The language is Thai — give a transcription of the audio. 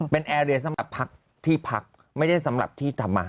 เป็นแอร์เรียสำหรับพักที่พักไม่ได้สำหรับที่ทำมา